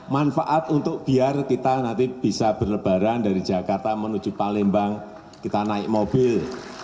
manfaat untuk biar kita nanti bisa berlebaran dari jakarta menuju palembang kita naik mobil